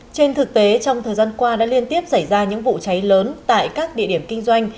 trên thực tế trong thời gian qua đã liên tiếp xảy ra những vụ cháy lớn tại các địa điểm kinh doanh